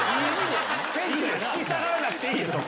引き下がらなくていいよ！